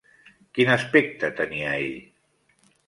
Quin aspecte tenia ell?